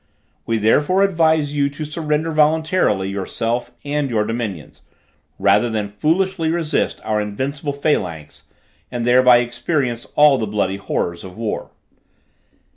We therefore advise you to surrender voluntarily yourself and your dominions, rather than foolishly resist our invincible phalanx, and thereby experience all the bloody horrors of war.